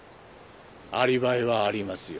アリバイはありますよ。